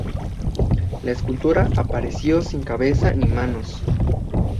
La escultura apareció sin cabeza ni manos.